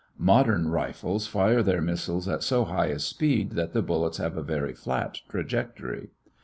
Modern rifles fire their missiles at so high a speed that the bullets have a very flat trajectory.